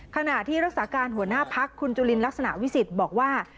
ขณะที่รักษาการหัวหน้าพักคุณจุลินลักษณะวิสิทธิ์บอกว่า